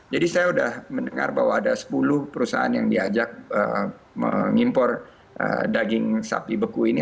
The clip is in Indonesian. jadi saya sudah mendengar bahwa ada sepuluh perusahaan yang diajak mengimpor daging sapi beku ini